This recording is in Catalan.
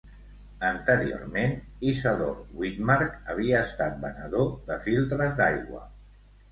Anteriorment, Isadore Witmark havia estat venedor de filtres d'aigua.